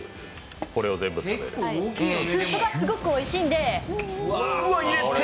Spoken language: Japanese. スープがすごくおいしいんで。